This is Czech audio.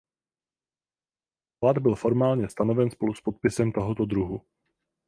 Klad byl formálně stanoven spolu s popisem tohoto druhu.